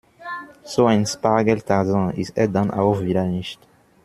So ein Spargeltarzan ist er dann auch wieder nicht.